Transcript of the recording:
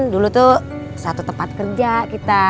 dulu tuh satu tempat kerja kita